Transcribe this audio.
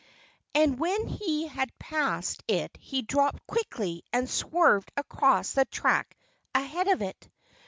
And when he had passed it he dropped quickly and swerved across the track ahead of it.